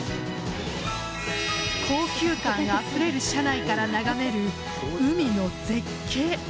高級感あふれる車内から眺める海の絶景。